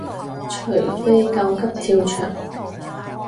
除非狗急跳墻